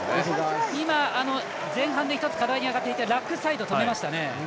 今、前半で１つ課題に挙がっていたラックサイド止めましたね。